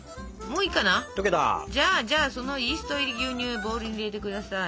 じゃあじゃあそのイースト入り牛乳をボウルに入れて下さい。